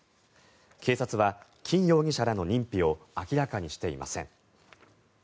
警察はキン容疑者らの認否を明らかにしていません。